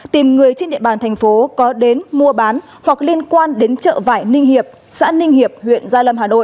tìm người trên địa bàn thành phố có đến mua bán hoặc liên quan đến chợ vải ninh hiệp xã ninh hiệp huyện gia lâm hà nội